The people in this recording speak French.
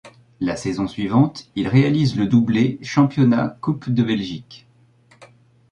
La saison suivante, il réalise le doublé Championnat-Coupe de Belgique.